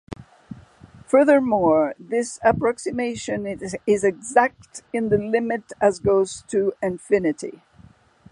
Furthermore, this approximation is exact in the limit as goes to infinity.